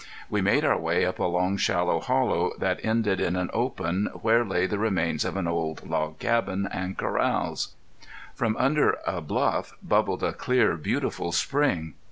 We made our way up a long shallow hollow that ended in an open where lay the remains of an old log cabin, and corrals. From under a bluff bubbled a clear beautiful spring.